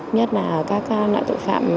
nhất là các loại tội phạm